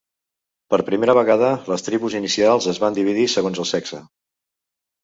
Per primera vegada, les tribus inicials es van dividir segons el sexe.